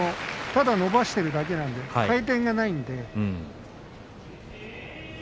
ただ伸ばしているだけなので回転がないので。